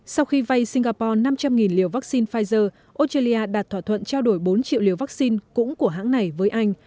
sau khi vay singapore năm trăm linh liều vaccine pfizer australia đạt thỏa thuận trao đổi bốn triệu liều vaccine cũng của hãng này với anh